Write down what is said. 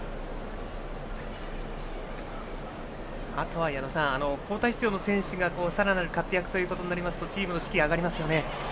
あとは矢野さん交代出場の選手がさらなる活躍ということになりますとチームの士気、上がりますよね。